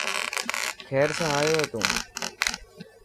کير سان آيو هي تون.